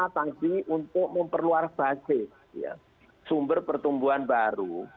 tadi untuk memperluar base sumber pertumbuhan baru